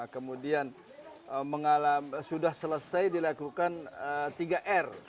kemudian sudah selesai dilakukan tiga r